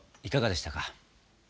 いかがでしたか？